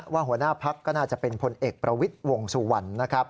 หัวหน้าพักก็น่าจะเป็นพลเอกประวิทย์วงสุวรรณนะครับ